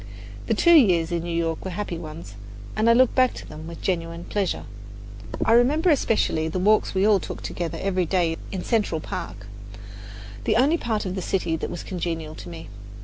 The two years in New York were happy ones, and I look back to them with genuine pleasure. I remember especially the walks we all took together every day in Central Park, the only part of the city that was congenial to me.